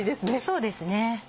そうですね